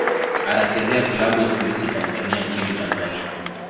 Anachezea klabu ya Polisi Tanzania nchini Tanzania.